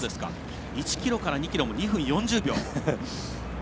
１ｋｍから２ｋｍも２分４０秒。